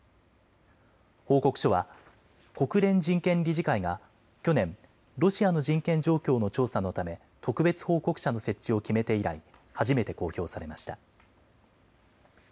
報告書は国連人権理事会が去年、ロシアの人権状況の調査のため特別報告者の設置を決めて以来、初めて公表されました。